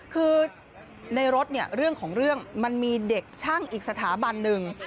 คือในรถเนี่ยเรื่องของเรื่องมันมีเด็กช่างอีกสถาบันหนึ่ง